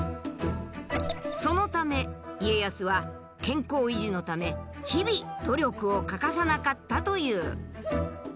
そのため家康は健康維持のため日々努力を欠かさなかったという。